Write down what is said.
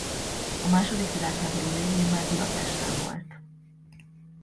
A második világháború végén már Budapesten volt.